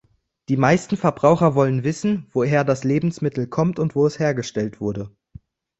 Die meisten Verbraucher wollen wissen, woher das Lebensmittel kommt und wo es hergestellt wurde.